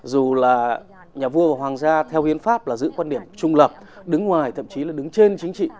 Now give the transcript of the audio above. dù là nhà vua hoàng gia theo hiến pháp là giữ quan điểm trung lập đứng ngoài thậm chí là đứng trên chính trị